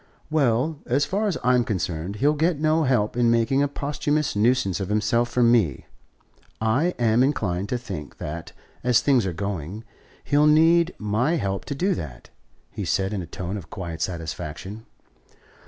"Well, as far as I'm concerned, he'll get no help in making a posthumous nuisance of himself from me; and I'm inclined to think that, as things are going, he'll need my help to do that," he said in a tone of quiet satisfaction.